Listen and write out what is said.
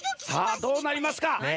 さあどうなりますか。